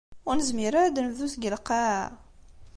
Ur nezmir ara ad d-nebdu seg lqaɛa?